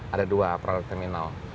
ada dua produk terminal